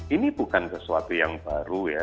ini bukan sesuatu yang baru ya